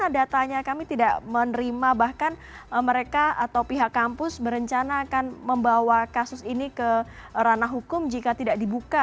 datanya kami tidak menerima bahkan mereka atau pihak kampus berencana akan membawa kasus ini ke ranah hukum jika tidak dibuka